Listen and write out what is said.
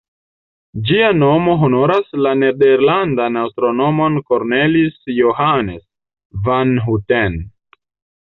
Ĝia nomo honoras la nederlandan astronomon Cornelis Johannes van Houten.